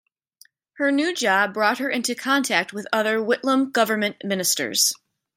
Her new job brought her into contact with other Whitlam government ministers.